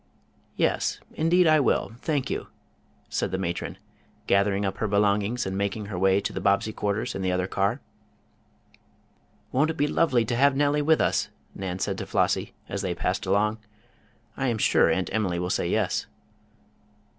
"Yes, indeed I will. Thank you," said the matron, gathering up her belongings and making her way to the Bobbsey quarters in the other car. "Won't it be lovely to have Nellie with us!" Nan said to Flossie, as they passed along. "I am sure Aunt Emily will say yes."